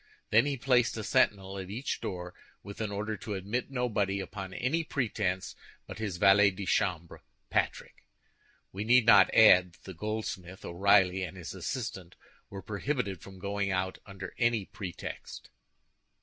Then he placed a sentinel at each door, with an order to admit nobody upon any pretense but his valet de chambre, Patrick. We need not add that the goldsmith, O'Reilly, and his assistant, were prohibited from going out under any pretext.